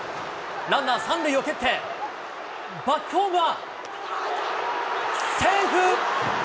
ランナー３塁を蹴って、バックホームは、セーフ。